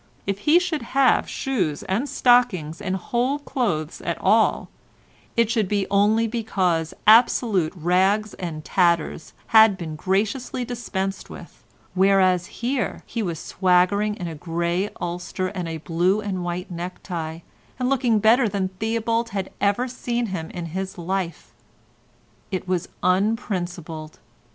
If he should have shoes and stockings and whole clothes at all, it should be only because absolute rags and tatters had been graciously dispensed with, whereas here he was swaggering in a grey ulster and a blue and white necktie, and looking better than Theobald had ever seen him in his life. It was unprincipled.